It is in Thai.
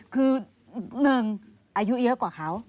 คือหนึ่งอายุเยอะกว่าเขา